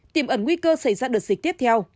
tiềm ẩn nguy cơ xảy ra đợt dịch tiếp theo